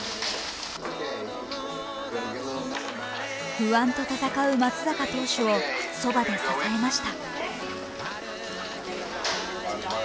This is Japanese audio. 不安と闘う松坂投手をそばで支えました。